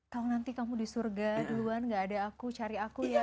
kalau nanti kamu di surga duluan gak ada aku cari aku ya